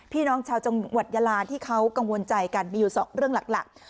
พี่น้องชาวจังหวัดยาลาที่เขากังวลใจกันมีอยู่๒เรื่องหลัก